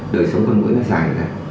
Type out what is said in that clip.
đời sống con mũi nó dài